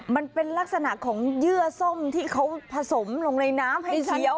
มันเป็นลักษณะของเยื่อส้มที่เขาผสมลงในน้ำให้เคี้ยว